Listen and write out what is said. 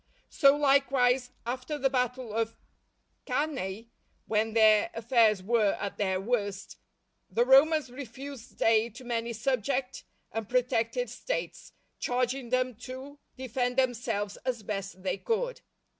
So, likewise, after the battle of Cannæ, when their affairs were at their worst, the Romans refused aid to many subject and protected States, charging them to defend themselves as best they could.